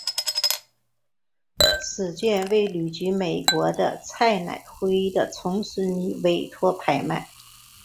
此卷为旅居美国的蔡乃煌的重孙女委托拍卖。